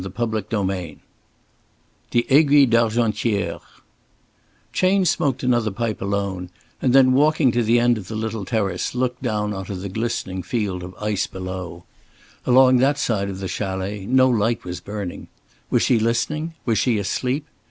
CHAPTER VII THE AIGUILLE D'ARGENTIÈRE Chayne smoked another pipe alone and then walking to the end of the little terrace looked down on to the glistening field of ice below. Along that side of the chalet no light was burning. Was she listening? Was she asleep?